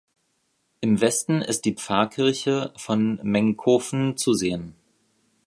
Im Westen ist die Pfarrkirche von Mengkofen zu sehen.